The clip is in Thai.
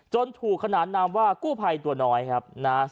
ถูกขนานนามว่ากู้ภัยตัวน้อยครับนะ